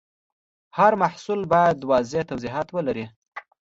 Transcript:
هر محصول باید واضح توضیحات ولري.